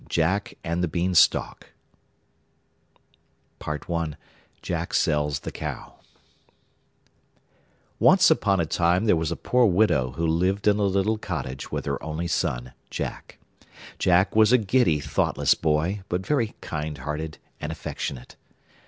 JACK AND THE BEANSTALK JACK SELLS THE COW Once upon a time there was a poor widow who lived in a little cottage with her only son Jack. Jack was a giddy, thoughtless boy, but very kind hearted and affectionate.